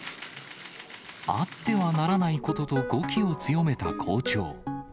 あってはならないことと語気を強めた校長。